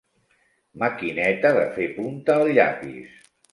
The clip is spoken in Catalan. Maquineta de fer punta al llapis.